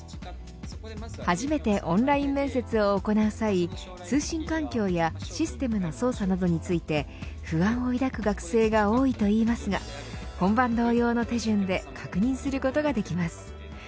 初めてオンライン面接を行う際通信環境やシステムの操作などについて不安を抱く学生が多いといいますが本番同様の手順で確認することができます。